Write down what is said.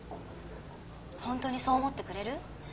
本当にそう思ってくれる？